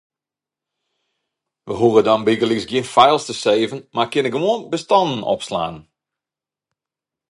We hoege bygelyks gjin files te saven, mar kinne gewoan bestannen opslaan.